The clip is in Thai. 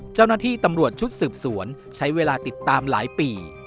เจ้าหน้าที่ตำรวจชุดสืบสวนใช้เวลาติดตามหลายปี